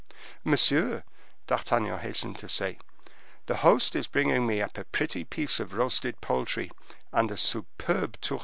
"Monsieur," D'Artagnan hastened to say, "the host is bringing me up a pretty piece of roasted poultry and a superb tourteau."